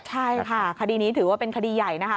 ใช่ค่ะคดีนี้ถือว่าเป็นคดีใหญ่นะคะ